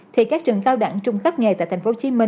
thì các trường cao đẳng trung cấp nghề tại tp hcm